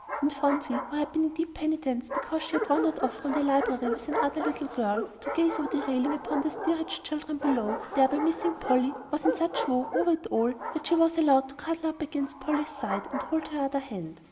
And Phronsie, who had been in deep penitence because she had wandered off from the library with another little girl, to gaze over the railing upon the steerage children below, thereby missing Polly, was in such woe over it all that she was allowed to cuddle up against Polly's side and hold her other hand.